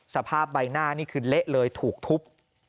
สภาพใบหน้านี่คือเละเลยถูกทุบ